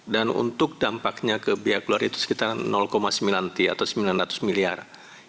dan untuk dampaknya ke bea keluar itu sekitar sembilan atau sembilan ratus miliar